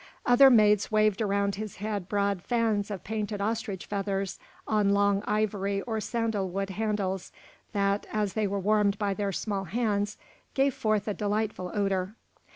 Other maids waved around his head broad fans of painted ostrich feathers on long ivory or sandal wood handles, that, as they were warmed by their small hands, gave forth a delightful odour.